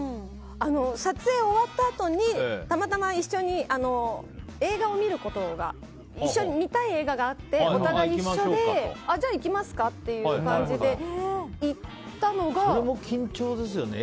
撮影終わったあとにたまたま一緒に映画を見ることが一緒に観たい映画があってお互い一緒でじゃあ行きますかという感じでそれも緊張ですよね。